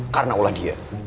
karena olah dia